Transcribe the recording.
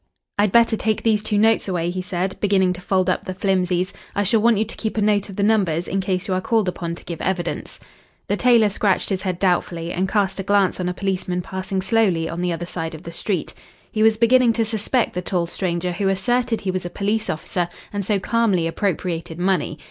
"I'd better take these two notes away," he said, beginning to fold up the flimsies. "I shall want you to keep a note of the numbers, in case you are called upon to give evidence." The tailor scratched his head doubtfully, and cast a glance on a policeman passing slowly on the other side of the street. He was beginning to suspect the tall stranger who asserted he was a police officer, and so calmly appropriated money.